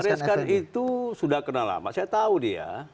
pak reskan itu sudah kenal lama saya tahu dia